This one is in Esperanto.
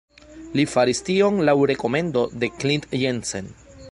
Li faris tion laŭ rekomendo de Klindt-Jensen.